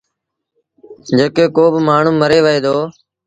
جيڪڏهين ڪو مآڻهوٚٚݩ مري وهي دو